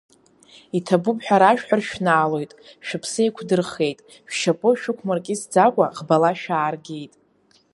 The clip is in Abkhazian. Иҭабуп ҳәа рашәҳәар шәнаалоит, шәыԥсы еиқудырхеит, шәшьапы шәықумыркьысӡакуа ӷбала шәааргеит!